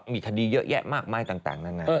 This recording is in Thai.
มีคดีเยอะแยะมากต่าง